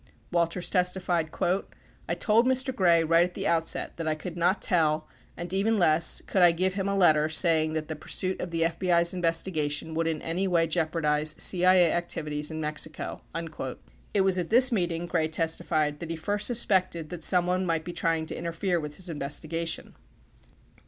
Walters testified, "I told Mr. Gray right at the outset that I could not tell and, even less, could I give him a letter saying that the pursuit of the FBI's investigation would in any way jeopardize CIA activities in Mexico." 44 It was at this meeting, Gray testified, that he first suspected that some one might be trying to interfere with his investigation.